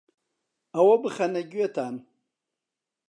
ئەوە بخەنە گوێتان